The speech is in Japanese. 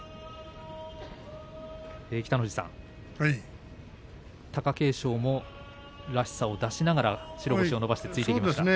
北の富士さん、貴景勝もらしさを出しながら白星を伸ばしました。